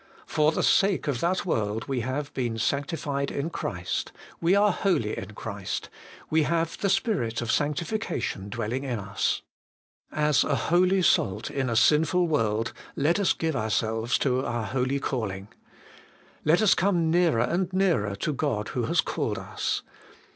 For the sake of that world we ' have been sanctified in Christ/ we are ' holy in Christ,' HOLINESS AND SERVICE. 241 we have ' the spirit of sanctification ' dwelling in us. As a holy salt in a sinful world, let us give ourselves to our holy calling. Let us come nearer and nearer to God who has called us.